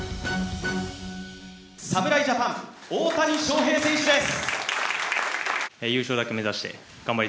侍ジャパン大谷翔平選手です！